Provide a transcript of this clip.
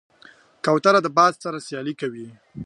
کوتره د باد سره سیالي کوي.